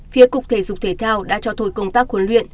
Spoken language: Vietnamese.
phía cục thể dục thể thao đã cho thôi công tác huấn luyện